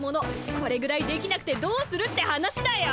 これぐらいできなくてどうするって話だよ。